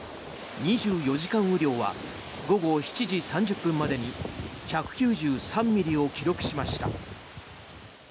２４時間雨量は午後７時３０分までに１９３ミリを記録しました。